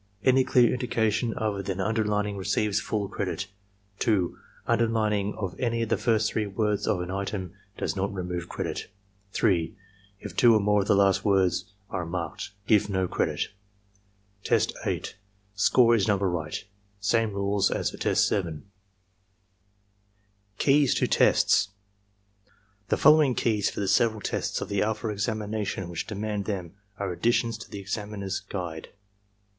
Any dear indication other than underlining receives full credit. 2. Underlining of any of the first three words of an item does not remove credit. 3. If two or more of the last four words are marked, give no credit. Tests (Score is number right.) Same rules as for Test 7. 70 ARMY MENTAL TESTS KEYS TO TESTS The following keys for the several tests of the alpha examina tion which demand them are additions to the Examiner's Guide.